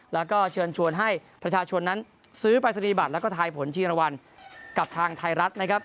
แล้วก็เชิญชวนให้ประชาชนนั้นซื้อปรายศนียบัตรแล้วก็ทายผลชีรางวัลกับทางไทยรัฐนะครับ